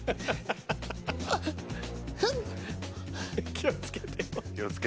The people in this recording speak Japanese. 気を付けてよ。